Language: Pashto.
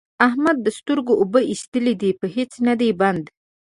د احمد د سترګو اوبه اېستلې دي؛ په هيڅ نه دی بند،